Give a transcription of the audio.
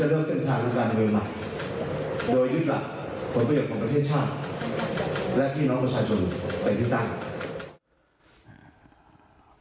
หมายโดยที่สักคนพยพของประเทศชาติและพี่น้องประชาชนเป็นที่ตั้ง